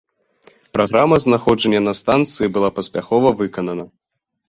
Праграма знаходжання на станцыі была паспяхова выканана.